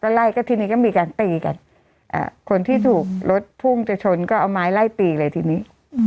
ไล่ก็ทีนี้ก็มีการตีกันคนที่ถูกรถพุ่งจะชนก็เอาไม้ไล่ตีเลยทีนี้